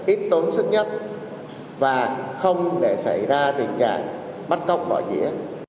ít tốn sức nhất và không để xảy ra tình trạng bắt cóc bỏ dĩa